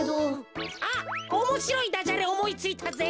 あっおもしろいダジャレおもいついたぜ。